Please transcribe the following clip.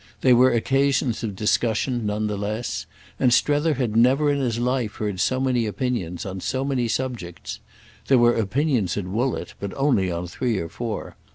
They were occasions of discussion, none the less, and Strether had never in his life heard so many opinions on so many subjects. There were opinions at Woollett, but only on three or four.